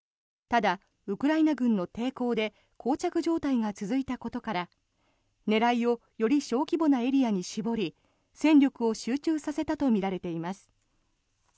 ただ、ウクライナ軍の抵抗でこう着状態が続いたことから狙いをより小規模なエリアに絞り戦力を集中させたとみられています。